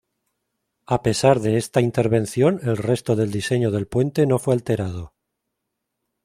A pesar de esta intervención el resto del diseño del puente no fue alterado.